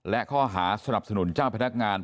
และข้อหาสนับสนุนเจ้าพนักงาน